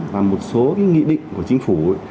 và một số nghị định của chính phủ